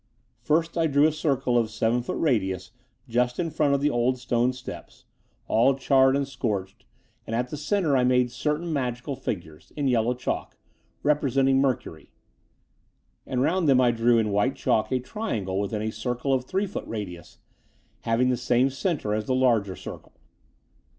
First I drew a circle of seven foot radius just in front of the old stone steps, all charred and The 0ower House 309 scorched, and at the centre I made certain magical figures — ^in yellow chalk — ^representing Mercury; and round them I drew in white chalk a triangle within a circle of three foot radius, having the same centre as the larger circle.